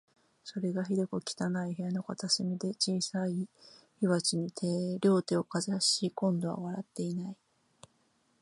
それが、ひどく汚い部屋の片隅で、小さい火鉢に両手をかざし、今度は笑っていない